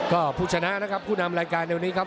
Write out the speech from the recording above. ก็ผู้ชนะนะครับผู้นำรายการในวันนี้ครับ